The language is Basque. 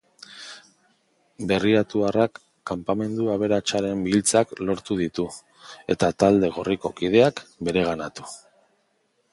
Berriatuarrak kanpamentu aberatsaren giltzak lortu ditu, eta talde gorriko kideak bereganatu.